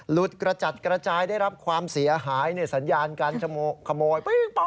กระจัดกระจายได้รับความเสียหายในสัญญาการขโมย